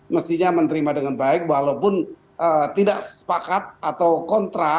mestinya menerima dengan baik walaupun tidak sepakat atau kontra